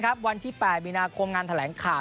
ก็จะมีความสนุกของพวกเรา